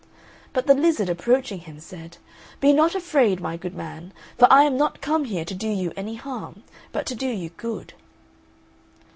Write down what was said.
But the lizard, approaching him, said, "Be not afraid, my good man, for I am not come here to do you any harm, but to do you good."